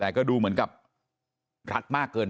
ไปรับศพของเนมมาตั้งบำเพ็ญกุศลที่วัดสิงคูยางอเภอโคกสำโรงนะครับ